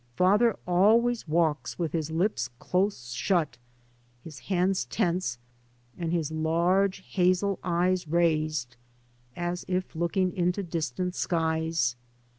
Father always walks with his lips close shut, his hands tense, and his large hazel eyes raised, as if looking into distant skies.